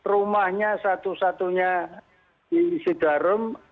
rumahnya satu satunya di sidarum